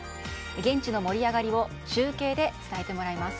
現地の盛り上がりを中継で伝えてもらいます。